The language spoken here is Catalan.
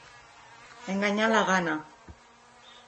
Enganyar la gana.